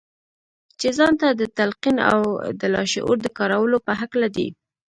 چې ځان ته د تلقين او د لاشعور د کارولو په هکله دي.